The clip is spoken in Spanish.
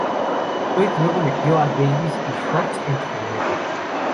Floyd luego metió a Davis y Hugues en su camioneta.